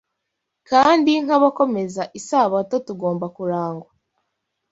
kandi nk’abakomeza Isabato tugomba kurangwa